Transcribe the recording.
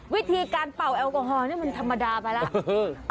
วิธีการเป่าแอลกอฮอลนี่มันธรรมดาไปแล้ว